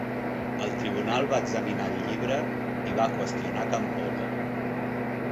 El tribunal va examinar el llibre i va qüestionar Campolo.